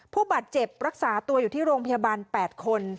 ผู้บาดเจ็บรักษาตัวอยู่ที่โรงพยาบาล๘คน